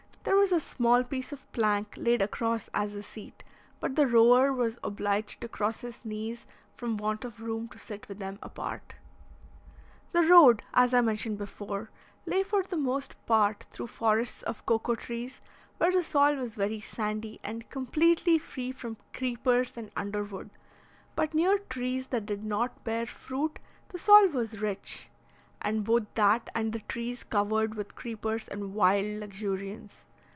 There was a small piece of plank laid across as a seat, but the rower was obliged to cross his knees from want of room to sit with them apart. The road, as I before mentioned, lay for the most part through forests of cocoa trees, where the soil was very sandy and completely free from creepers and underwood; but near trees that did not bear fruit, the soil was rich, and both that and the trees covered with creepers in wild luxuriance.